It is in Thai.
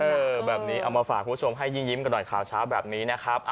แบบนี้เอามาฝากคุณผู้ชมให้ยิ้มกันหน่อยข่าวเช้าแบบนี้นะครับ